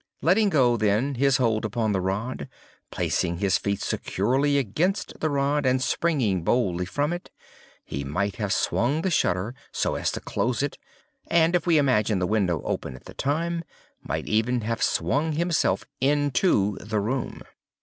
Letting go, then, his hold upon the rod, placing his feet securely against the wall, and springing boldly from it, he might have swung the shutter so as to close it, and, if we imagine the window open at the time, might even have swung himself into the room.